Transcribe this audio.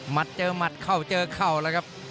มัดเจอมัดเจอเข้าแล้วครับ